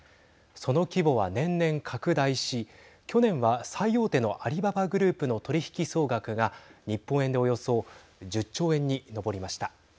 その規模は年々、拡大し去年は最大手のアリババグループの取引総額が日本円でおよそ１０兆円に上りました。